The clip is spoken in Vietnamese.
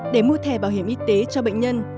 để mua thẻ bảo hiểm y tế cho bệnh nhân